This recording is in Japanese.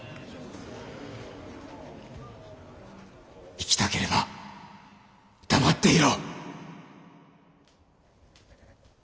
生きたければ黙っていろ。